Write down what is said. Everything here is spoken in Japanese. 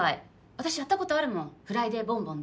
私やったことあるもん「フライデーボンボン」で。